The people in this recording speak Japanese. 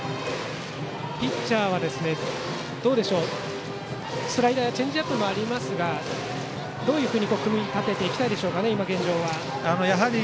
ピッチャーはどうでしょうスライダー、チェンジアップもありますがどういうふうに組み立てていきたいでしょうか。